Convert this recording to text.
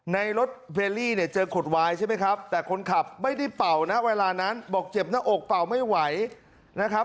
ในรถเวลลี่เนี่ยเจอขุดวายใช่ไหมครับแต่คนขับไม่ได้เป่านะเวลานั้นบอกเจ็บหน้าอกเป่าไม่ไหวนะครับ